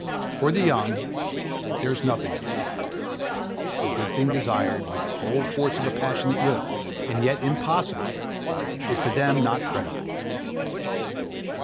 For the young, there is nothing unattainable; a good thing desired with the whole force of a passionate will, and yet impossible, is to them not credible.